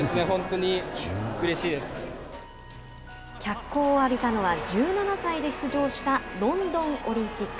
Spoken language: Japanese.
脚光を浴びたのは１７歳で出場したロンドンオリンピック。